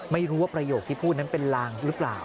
ไม่รู้ว่าประโยคที่พูดนั้นเป็นลางหรือเปล่า